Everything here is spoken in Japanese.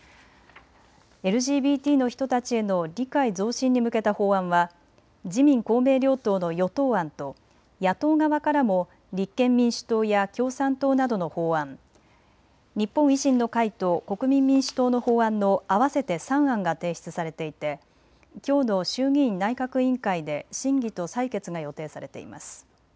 ＬＧＢＴの人たちへの理解増進に向けた法案は自民公明両党の与党案と野党側からも立憲民主党や共産党などの法案、日本維新の会と国民民主党の法案の合わせて３案が提出されていてきょうの衆議院内閣委員会で審議と採決が予定されています。